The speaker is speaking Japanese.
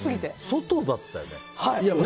外だったよね。